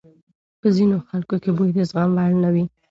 په ځینو خلکو کې بوی د زغم وړ نه وي.